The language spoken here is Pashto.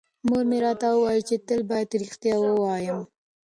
مور مې راته وویل چې تل بايد رښتیا ووایم.